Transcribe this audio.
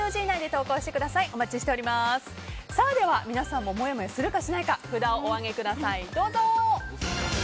では、皆さんももやもやするか、しないか札をお上げください、どうぞ。